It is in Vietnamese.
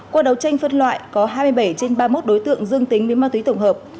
qua đấu tranh phân loại có hai mươi bảy trên ba mươi một đối tượng dương tính với ma túy tổng hợp